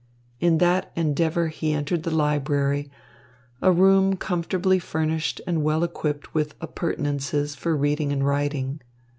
In that endeavour he entered the library, a room comfortably furnished and well equipped with appurtenances for reading and writing.